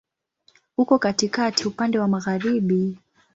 Uko katikati, upande wa magharibi.